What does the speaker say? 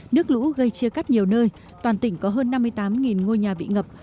nước lũ gây chia cắt nhiều nơi toàn tỉnh có hơn năm mươi tám ngôi nhà bị ngập